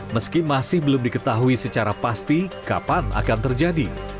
meski masih belum diketahui secara pasti kapan akan terjadi